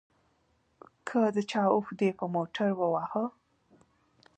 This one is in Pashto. که د چا اوښ دې په موټر ووهه.